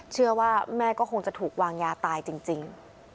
เชื่อว่าแม่ก็คงจะถูกวางยาตายจริง